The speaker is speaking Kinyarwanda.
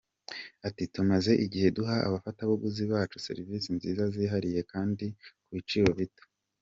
Ati “Tumaze igihe duha abafatabuguzi bacu serivisi nziza zihariye kandi ku biciro bito.